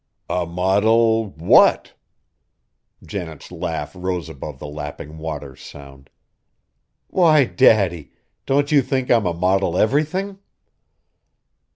"A modil what?" Janet's laugh rose above the lapping water's sound. "Why, Daddy! Don't you think I'm a model everything?"